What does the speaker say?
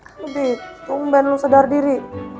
lo bet tumpen lu sedar diri